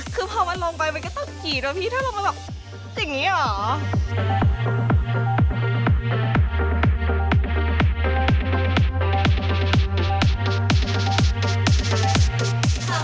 คือพอมันลงไปมันก็ต้องกีดนะพี่ถ้าลงมาแบบอย่างนี้เหรอ